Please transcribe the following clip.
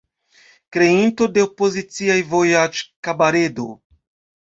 Kreinto de opozicia vojaĝ-kabaredo.